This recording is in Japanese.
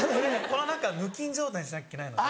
この中無菌状態にしなきゃいけないので。